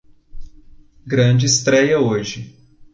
Grande estréia hoje